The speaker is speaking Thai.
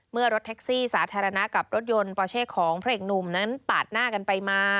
รถแท็กซี่สาธารณะกับรถยนต์ปอเช่ของพระเอกหนุ่มนั้นปาดหน้ากันไปมา